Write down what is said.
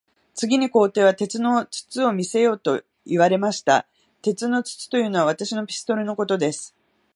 次に皇帝は、鉄の筒を見せよと言われました。鉄の筒というのは、私のピストルのことです。